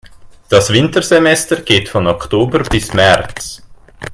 Das Wintersemester geht von Oktober bis März.